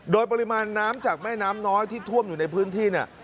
โดยปริมาณน้ำจากแม่น้ำน้อยที่ท่วมอยู่ในพื้นที่เนี่ย